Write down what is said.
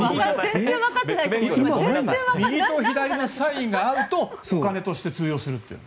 右と左にサインがあるとお金として通用するという。